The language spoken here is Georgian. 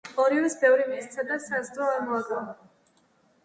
ორივეს ბევრი მისცა და საზრდო არ მოაკლო